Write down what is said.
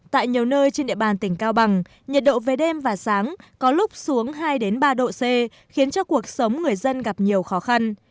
tại nhiều nơi trên địa bàn tỉnh cao bằng nhiệt độ về đêm và sáng có lúc xuống hai ba độ c khiến cho cuộc sống người dân gặp nhiều khó khăn